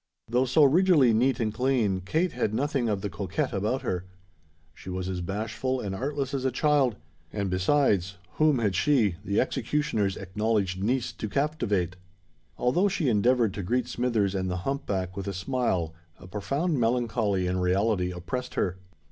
Though so rigidly neat and clean, Kate had nothing of the coquette about her. She was as bashful and artless as a child; and, besides—whom had she, the executioner's acknowledged niece, to captivate? Although she endeavoured to greet Smithers and the hump back with a smile, a profound melancholy in reality oppressed her.